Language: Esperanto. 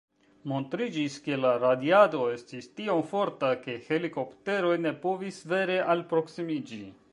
Montriĝis, ke la radiado estis tiom forta, ke helikopteroj ne povis vere alproksimiĝi.